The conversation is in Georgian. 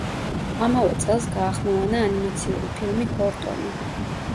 ამავე წელს გაახმოვანა ანიმაციური ფილმი „ჰორტონი“.